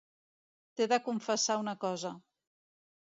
T'he de confessar una cosa.